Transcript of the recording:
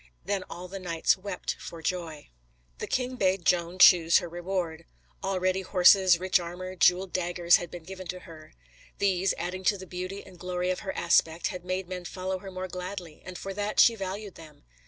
Then all the knights wept for joy. The king bade Joan choose her reward. Already horses, rich armor, jewelled daggers, had been given to her. These, adding to the beauty and glory of her aspect, had made men follow her more gladly, and for that she valued them.